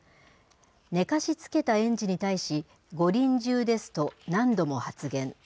寝かしつけた園児に対し、ご臨終ですと何度も発言。